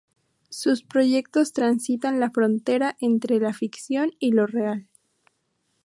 Sus proyectos transitan la frontera entre la ficción y lo real.